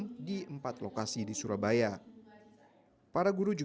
saya kemarin menyampaikan sementara pelajaran off dulu